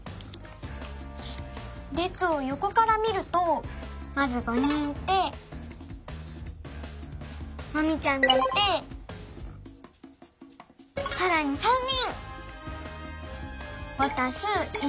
れつをよこからみるとまず５人いてマミちゃんがいてさらに３人！